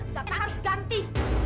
kalian harus ganti